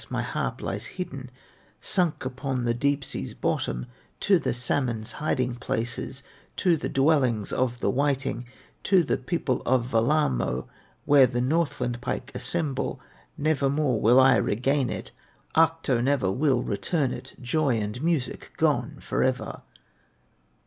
my harp lies hidden, Sunk upon the deep sea's bottom, To the salmon's hiding places, To the dwellings of the whiting, To the people of Wellamo, Where the Northland pike assemble. Nevermore will I regain it, Ahto never will return it, Joy and music gone forever!